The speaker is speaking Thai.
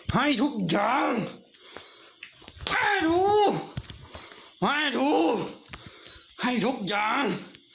ให้ทุกอย่างแม่ดูแม่ดูให้ทุกอย่าง